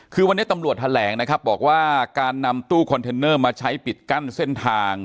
คือวันนี้ตำรวจแถลงนะครับบอกว่าการนำตู้คอนเทนเนอร์มาใช้ปิดกั้นเส้นทาง